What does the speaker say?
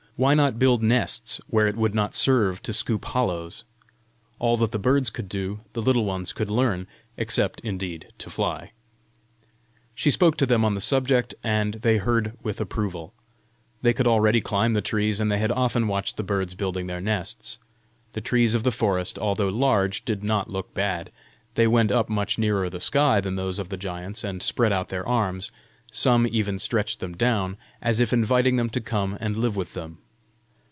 why not build nests where it would not serve to scoop hollows? All that the birds could do, the Little Ones could learn except, indeed, to fly! She spoke to them on the subject, and they heard with approval. They could already climb the trees, and they had often watched the birds building their nests! The trees of the forest, although large, did not look bad! They went up much nearer the sky than those of the giants, and spread out their arms some even stretched them down as if inviting them to come and live with them!